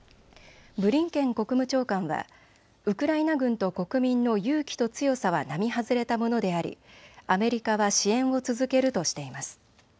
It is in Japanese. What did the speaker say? ブリンケン国務長官はウクライナ軍と国民の勇気と強さは並外れたものでありアメリカは支援を続けるとしています。